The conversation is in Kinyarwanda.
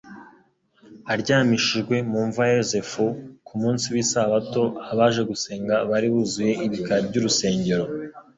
aryamishijwe mu mva yaYosefu, Ku munsi w'isabato abaje gusenga bari buzuye ibikari by'urusengero.